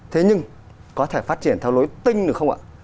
thế nhưng có thể phát triển theo lối tinh được không ạ